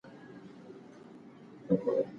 هلک غوښتل چې په مينه د انا سترگو ته وگوري.